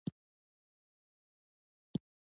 د لیمو اوبه د تندې ماتولو لپاره ښې دي.